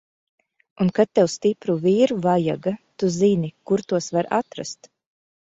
Un kad tev stipru vīru vajaga, tu zini, kur tos var atrast!